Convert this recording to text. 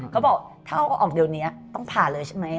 เขาบอกเข้าออกเดี๋ยวนี้ต้องผ่าเลยใช่ไหม